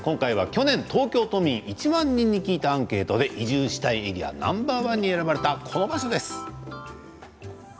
去年、東京都民１万人に聞いたアンケートで移住したいエリア、ナンバー１になったこの場所です。